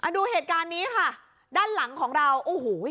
ดูเหตุการณ์นี้ค่ะด้านหลังของเราโอ้โห